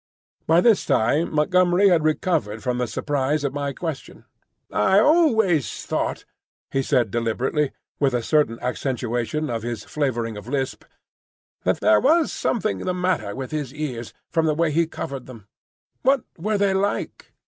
By this time Montgomery had recovered from the surprise of my question. "I always thought," he said deliberately, with a certain accentuation of his flavouring of lisp, "that there was something the matter with his ears, from the way he covered them. What were they like?"